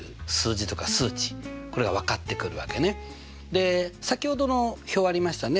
で先ほどの表ありましたね